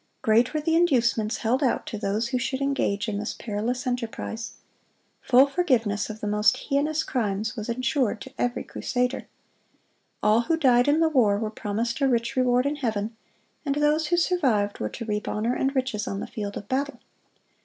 Great were the inducements held out to those who should engage in this perilous enterprise. Full forgiveness of the most heinous crimes was insured to every crusader. All who died in the war were promised a rich reward in heaven, and those who survived were to reap honor and riches on the field of battle.